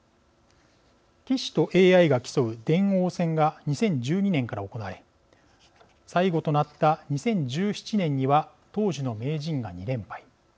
棋士とＡＩが競う電王戦が２０１２年から行われ最後となった２０１７年には当時の名人が２連敗。